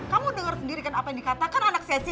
kamu dengar sendiri kan apa yang dikatakan anak sesi